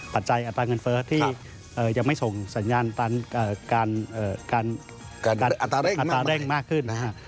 ใจอัตราเงินเฟ้อที่ยังไม่ส่งสัญญาณอัตราเร่งมากขึ้นนะฮะ